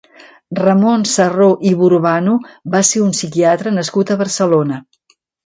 Ramon Sarró i Burbano va ser un psiquiatra nascut a Barcelona.